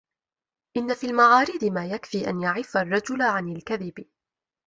إنَّ فِي الْمَعَارِيضِ مَا يَكْفِي أَنْ يَعِفَّ الرَّجُلَ عَنْ الْكَذِبِ